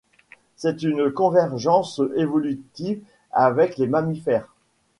C'est une convergence évolutive avec les Mammifères.